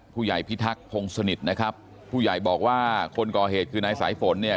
พิทักษงสนิทนะครับผู้ใหญ่บอกว่าคนก่อเหตุคือนายสายฝนเนี่ย